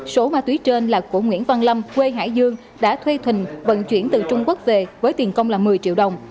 số ma túy trên là của nguyễn văn lâm quê hải dương đã thuê thình vận chuyển từ trung quốc về với tiền công là một mươi triệu đồng